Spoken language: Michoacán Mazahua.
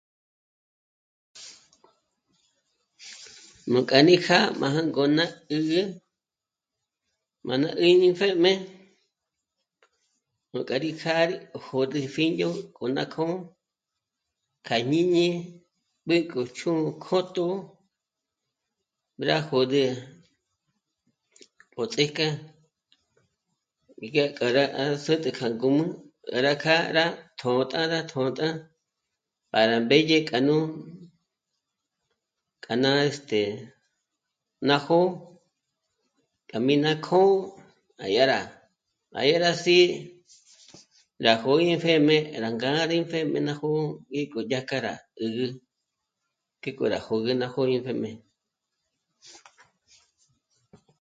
Nuk'a ní kja má jângo nà 'ǘgü má nà líni pjéjme, nuk'a rí já rí jód'ü pjíño k'o ná k'ó'o k'a jñíñi mbék'o chū̌'kjótjo rá jód'ü o ts'ék'a mí gá kja rá sä́t'ä k'a ngǔmü gá rá kjâ'a rá tjôtjá, rá tôtja para mbédye k'anu k'a ná este... nájo kja mí ná k'ó'o à dyà rá, à dyá rá sí'i rá jó'o yé pjéjme rá ngâ'a rí pjéjme ná jó'o ngék'o dyákja rá 'ǚ'ü k'e k'o rá jö́gü ná jó'o rí pjéjme